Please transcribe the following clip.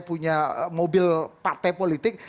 punya mobil partai politik